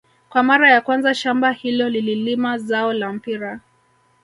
Kwa mara ya kwanza shamba hilo lililima zao la mpira